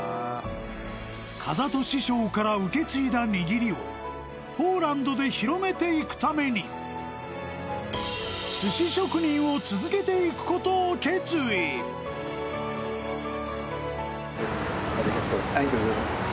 風戸師匠から受け継いだにぎりをポーランドで広めていくために寿司職人を続けていくことを決意ありがとうありがとうございます